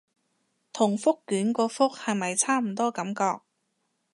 同覆卷個覆係咪差唔多感覺